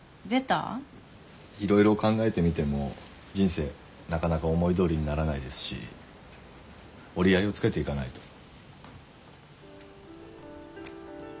いろいろ考えてみても人生なかなか思いどおりにならないですし折り合いをつけていかないと。